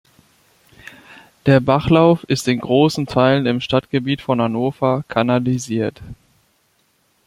Der Bachlauf ist in großen Teilen im Stadtgebiet von Hannover kanalisiert.